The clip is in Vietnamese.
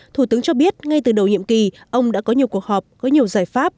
thủ tướng cho biết ngay từ đầu nhiệm kỳ ông đã có nhiều cuộc họp có nhiều giải pháp